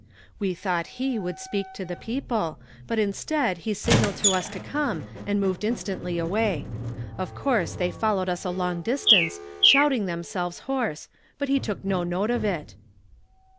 We thought he would speak to the jjcople ; hut insteacl, he signalled to us to come, and moved instantly away. Of course they followed us a long distance, shouting them selves hoai"se ; hut he took no note of it.''